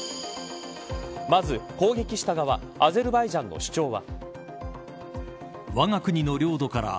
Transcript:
まず、攻撃した側アゼルバイジャンの主張は。